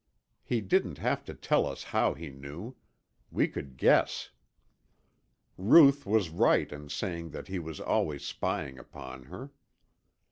He didn't have to tell us how he knew. We could guess. Ruth was right in saying that he was always spying upon her.